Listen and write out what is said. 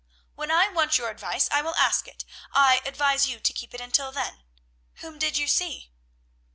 "When I want your advice I will ask it; I advise you to keep it until then. Whom did you see?"